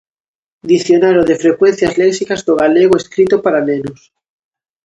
Dicionario de frecuencias léxicas do galego escrito para nenos.